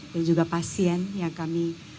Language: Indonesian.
dan juga pasien yang kami